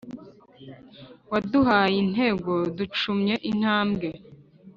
Waduhaye intego ducumye intambwe